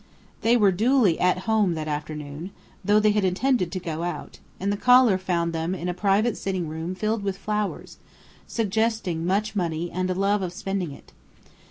They were duly "at home" that afternoon, though they had intended to go out, and the caller found them in a private sitting room filled with flowers, suggesting much money and a love of spending it.